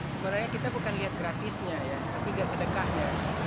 sebenarnya kita bukan lihat gratisnya ya tapi lihat sedekahnya